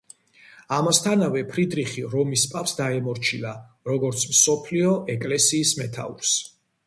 ამასთანავე ფრიდრიხი რომის პაპს დაემორჩილა, როგორც მსოფლიო ეკლესიის მეთაურს.